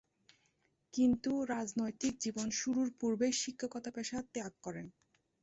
কিন্তু রাজনৈতিক জীবন শুরুর পূর্বে শিক্ষকতা পেশা ত্যাগ করেন।